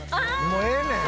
「もうええねん」